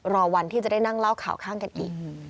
รอวันที่จะได้นั่งเล่าข่าวข้างกันอีก